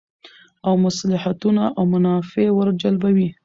او مصلحتونه او منافع ور جلبوی